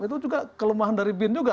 itu juga kelemahan dari bin juga